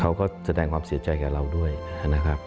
เขาก็แสดงความเสียใจกับเราด้วยนะครับ